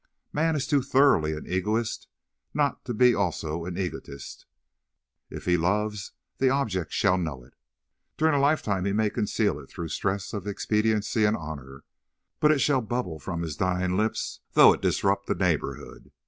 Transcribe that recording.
Man is too thoroughly an egoist not to be also an egotist; if he love, the object shall know it. During a lifetime he may conceal it through stress of expediency and honour, but it shall bubble from his dying lips, though it disrupt a neighbourhood.